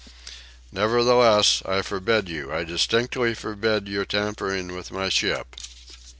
"Nevertheless, I forbid you, I distinctly forbid your tampering with my ship."